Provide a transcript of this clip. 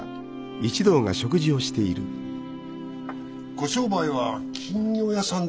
ご商売は金魚屋さんでしたもな？